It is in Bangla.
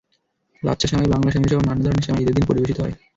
লাচ্ছা সেমাই, বাংলা সেমাইসহ নানা ধরনের সেমাই ঈদের দিন পরিবেশিত হয়।